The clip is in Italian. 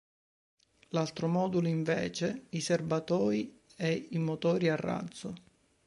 L'altro modulo, invece, i serbatoi e i motori a razzo.